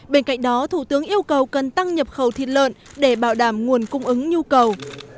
bên cạnh đó thủ tướng yêu cầu cần tăng nhập khẩu thịt lợn để bảo đảm nguồn cung ứng nhu cầu